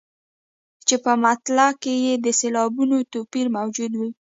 چې په مطلع کې یې د سېلابونو توپیر موجود وي.